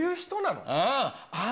ああ。